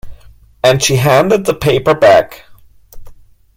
And she handed the paper back.